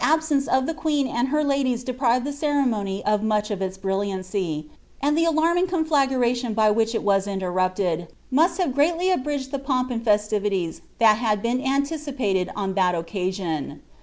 • cence of the queen and her ladies deprived the ceremony of much of ia brilliancy, and the alarming conflagration hy which it was intemipwd must have greatly abridged the pomp and festivities that had been anii cipntcd on that occasion.